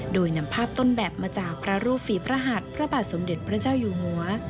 โดยนำภาพต้นแบบมาจากพระรูปฝีพระหัสพระบาทสมเด็จพระเจ้าอยู่หัว